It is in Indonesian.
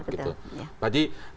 masa dalam tim pakar